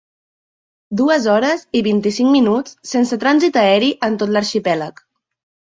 Dues hores i vint-i-cinc minuts sense trànsit aeri en tot l'arxipèlag.